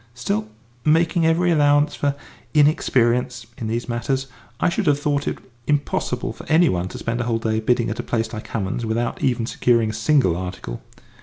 "Still, making every allowance for inexperience in these matters, I should have thought it impossible for any one to spend a whole day bidding at a place like Hammond's without even securing a single article."